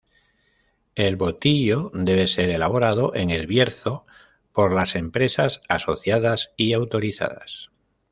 El Botillo debe ser elaborado en El Bierzo por las empresas asociadas y autorizadas.